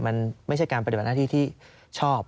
มันไม่ใช่การปฏิบัติหน้าที่ที่ชอบ